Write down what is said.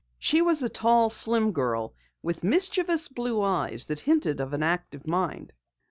She was a tall, slim girl with mischievous blue eyes which hinted of an active mind.